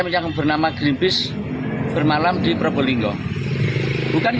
yang akan dilaksanakan